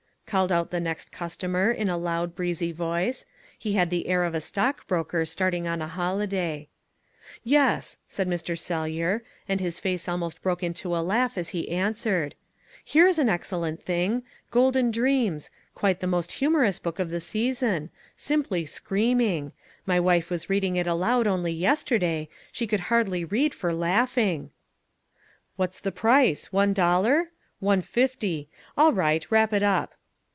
called out the next customer in a loud, breezy voice he had the air of a stock broker starting on a holiday. "Yes," said Mr. Sellyer, and his face almost broke into a laugh as he answered, "here's an excellent thing Golden Dreams quite the most humorous book of the season simply screaming my wife was reading it aloud only yesterday. She could hardly read for laughing." "What's the price, one dollar? One fifty. All right, wrap it up."